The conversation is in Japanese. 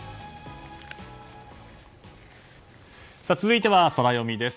続いてはソラよみです。